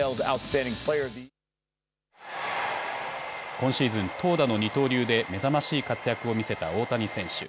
今シーズン、投打の二刀流で目覚ましい活躍を見せた大谷選手。